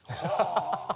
ハハハハッ！